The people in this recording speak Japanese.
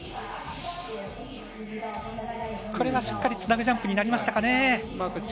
これがしっかりつなぐジャンプになりましたかね。